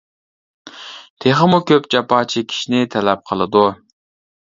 تېخىمۇ كۆپ جاپا چېكىشنى تەلەپ قىلىدۇ.